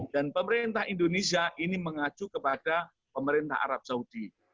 dan pemerintah indonesia ini mengacu kepada pemerintah arab saudi